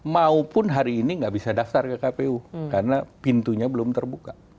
maupun hari ini nggak bisa daftar ke kpu karena pintunya belum terbuka